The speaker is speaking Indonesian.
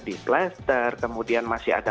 diplaster kemudian masih ada